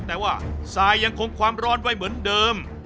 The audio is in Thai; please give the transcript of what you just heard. แต่ว่าทรายยังคงความร้อนไว้เหมือนเดิม